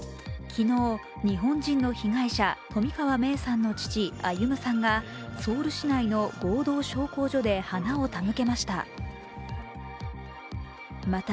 昨日、日本人の被害者冨川芽生さんの父・歩さんがソウル市内の合同焼香所で花を手向けました。